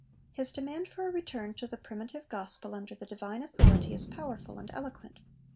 His demand for a return to the primitive Gospel under the Divine authority is powerful and eloquent.